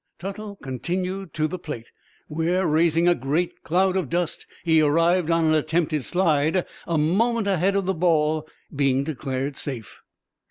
Tuttle continued to the plate, where, raising a great cloud of dust, he arrived on an attempted slide, a moment ahead of the ball, being declared safe.